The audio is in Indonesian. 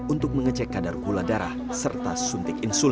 untuk mengecek kadar gula darah serta suntik insulin